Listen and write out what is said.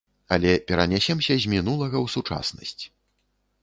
Але перанясемся з мінулага ў сучаснасць.